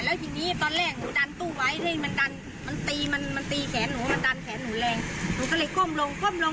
แล้วทีนี้ตอนแรกหนูดันตู้ไว้มันตีแขนหนูมันดันแขนหนูแรง